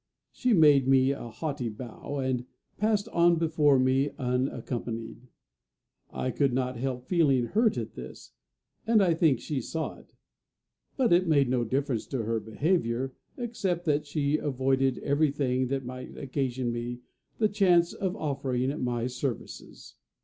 She made me a haughty bow, and passed on before me unaccompanied. I could not help feeling hurt at this, and I think she saw it; but it made no difference to her behaviour, except that she avoided everything that might occasion me the chance of offering my services.